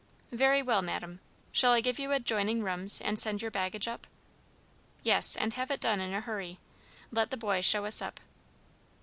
"Very well, madam. Shall I give you adjoining rooms, and send your baggage up?" "Yes, and have it done in a hurry. Let the boy show us up.